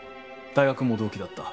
大学も同期だった。